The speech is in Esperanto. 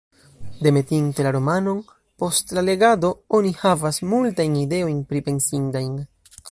Demetinte la romanon, post la legado, oni havas multajn ideojn pripensindajn.